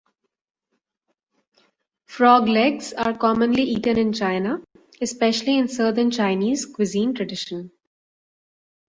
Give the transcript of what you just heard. Frog legs are commonly eaten in China, especially in Southern Chinese cuisine tradition.